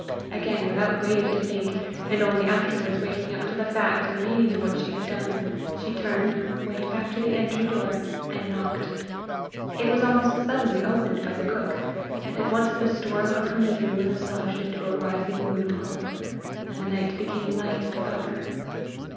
Again without waiting to think, and only afterwards waking up to the fact and meaning of what she had done, she turned, went back to the entry door, and knocked. It was almost suddenly opened by the cook, and at once the storm of her misery was assuaged in a rising moon of hope, and the night became light about her.